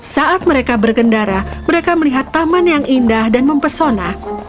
saat mereka bergendara mereka melihat taman yang indah dan mempesona